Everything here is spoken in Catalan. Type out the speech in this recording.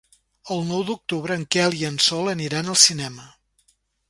El nou d'octubre en Quel i en Sol aniran al cinema.